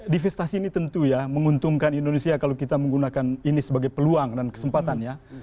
divestasi ini tentu ya menguntungkan indonesia kalau kita menggunakan ini sebagai peluang dan kesempatan ya